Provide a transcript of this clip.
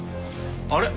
あれ？